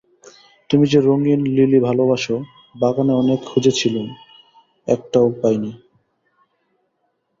তুমি যে রঙিন লিলি ভালোবাস, বাগানে অনেক খুঁজেছিলুম, একটাও পাই নি।